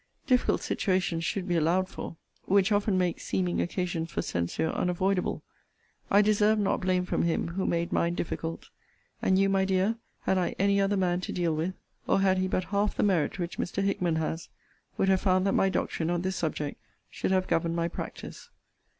Difficult situations should be allowed for: which often make seeming occasions for censure unavoidable. I deserved not blame from him who made mine difficult. And you, my dear, had I any other man to deal with, or had he but half the merit which Mr. Hickman has, would have found that my doctrine on this subject should have governed my practice.